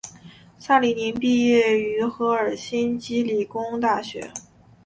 萨里宁毕业于赫尔辛基理工大学。